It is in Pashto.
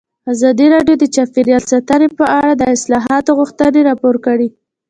ازادي راډیو د چاپیریال ساتنه په اړه د اصلاحاتو غوښتنې راپور کړې.